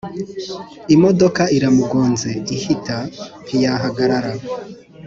imodoka iramugnze ihita ntiyahagarara